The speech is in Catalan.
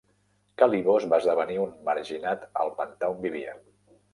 Calibos va esdevenir un marginat al pantà on vivia.